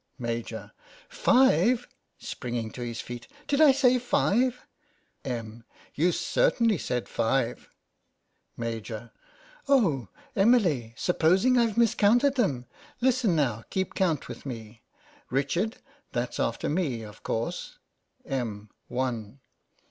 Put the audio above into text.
Maj. : Five ! (Springing to his feet) Did I say five ? Em. : You certainly said five. Maj.: Oh, Emily, supposing I've mis counted them ! Listen now, keep count with me. Richard — that's after me, of course, Em, : One.